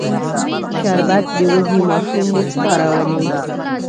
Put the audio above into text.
شربت د وږي ماشوم موسکا راولي